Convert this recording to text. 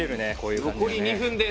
残り２分です。